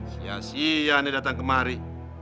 sia sia ini datang kemari